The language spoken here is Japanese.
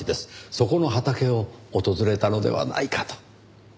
そこの畑を訪れたのではないかと。